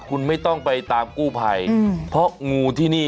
คุณไม่ต้องไปตามกู้ไพอย่างนี้